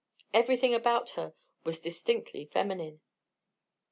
Everything about her was distinctly feminine.